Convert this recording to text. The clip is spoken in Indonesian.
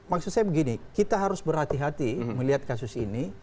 maksud saya begini kita harus berhati hati melihat kasus ini